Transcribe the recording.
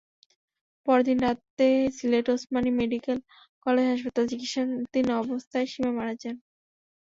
পরদিন রাতে Sylhet Osmani medical college হাসপাতালে চিকিৎসাধীন অবস্থায় সীমা মারা যান।